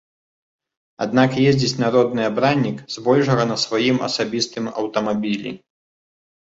Аднак ездзіць народны абраннік збольшага на сваім асабістым аўтамабілі.